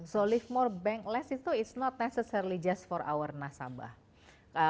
jadi live more bank less itu bukan hanya untuk nasabah kita